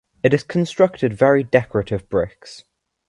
It is constructed very decorative bricks.